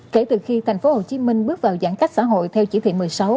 kể từ khi thành phố hồ chí minh bước vào giãn cách xã hội theo chỉ thị một mươi sáu